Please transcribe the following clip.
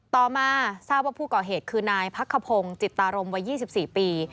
ต่อมาทราบว่าผู้ก่อเหตุคือนายพักขพงศ์จิตารมวัย๒๔ปี